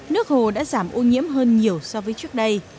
nước hồ đã giảm ô nhiễm hơn nhiều so với trước đây